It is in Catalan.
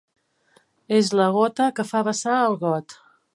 És la gota que fa vessar el got.